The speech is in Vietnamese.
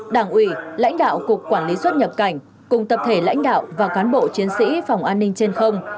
đảng ủy lãnh đạo cục quản lý xuất nhập cảnh cùng tập thể lãnh đạo và cán bộ chiến sĩ phòng an ninh trên không